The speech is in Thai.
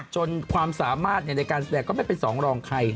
จนความสามารถในการแสดงก็ไม่เป็นสองรองใคร